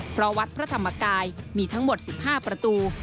เพราะวัดพระธรรมกายมีทั้งหมด๑๕ประตู